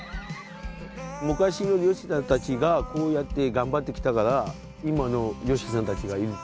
昔の漁師さんたちがこうやって頑張ってきたから今の漁師さんたちがいる。